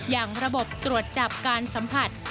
อย่างระบบตรวจจับการสัมผัส